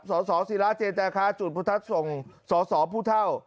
สอสอศีราเจจาคาจุดพุทัศน์ส่งสอสอผู้เท่า